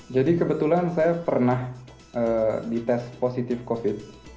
jadi kebetulan saya pernah dites positif covid sembilan belas